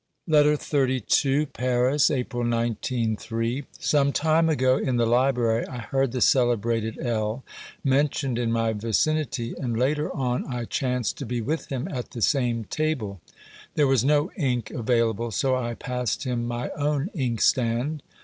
LETTER XXXII Paris, April 29 (III). Some time ago in the library I heard the celebrated L mentioned in my vicinity, and later on I chanced to be with him at the same table. There was no ink available, so I passed him my own inkstand.